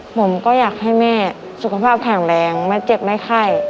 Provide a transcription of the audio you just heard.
ผมก็อยากให้แม่สุขภาพแข็งแรงไม่เจ็บไม่ไข้